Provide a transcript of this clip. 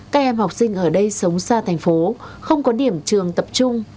các em học sinh ở đây sống xa thành phố không có điểm trường tập trung